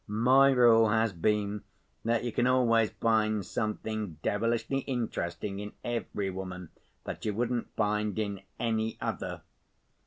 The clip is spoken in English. My rule has been that you can always find something devilishly interesting in every woman that you wouldn't find in any other.